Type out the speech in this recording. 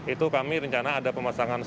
itu kami rencana ada pemasangan solar panas